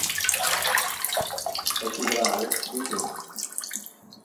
È più bravo "di te".